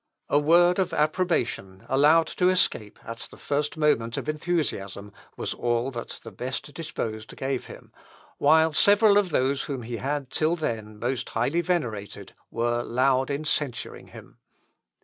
A word of approbation, allowed to escape at the first moment of enthusiasm, was all that the best disposed gave him, while several of those whom he had till then most highly venerated were loud in censuring him.